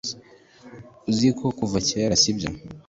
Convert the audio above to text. Uziko kuva kera, sibyo?